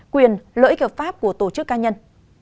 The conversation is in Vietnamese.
quyền lợi ích hợp pháp của tổ chức ca nhân